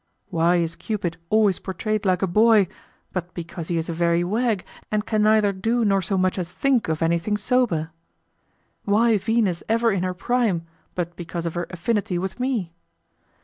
Why is Cupid always portrayed like a boy, but because he is a very wag and can neither do nor so much as think of anything sober? Why Venus ever in her prime, but because of her affinity with me?